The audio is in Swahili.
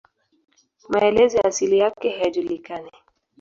Maelezo ya asili yake hayajulikani.